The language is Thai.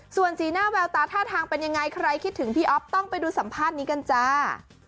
ส่วนสีหน้าแววตาท่าทางเป็นยังไงใครคิดถึงพี่อ๊อฟต้องไปดูสัมภาษณ์นี้กันจ้า